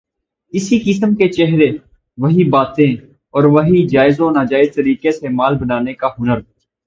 اسی قسم کے چہرے، وہی باتیں اور وہی جائز و ناجائز طریقے سے مال بنانے کا ہنر۔